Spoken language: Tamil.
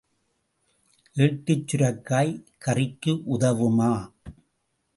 ஏட்டுச் சுரைக்காய் கறிக்கு உதவுமா?